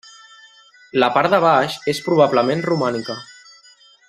La part de baix és probablement romànica.